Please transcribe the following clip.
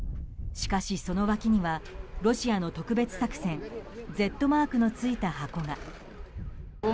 しかし、その脇にはロシアの特別作戦Ｚマークのついた箱が。